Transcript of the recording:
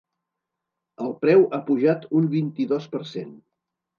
El preu ha pujat un vint-i-dos per cent.